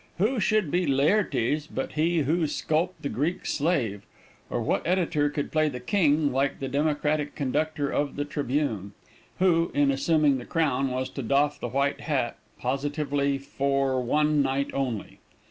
Who should be Laertes but he who "skulped" the Greek Slave, or what editor could play "the king" like the democratic conductor of the Tribune? who, in assuming the crown, was to doff the white hat, "positively for one night only?"